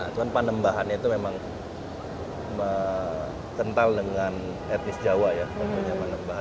cuman panembahan itu memang kental dengan etnis jawa ya